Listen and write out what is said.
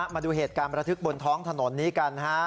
มาดูเหตุการณ์ประทึกบนท้องถนนนี้กันนะฮะ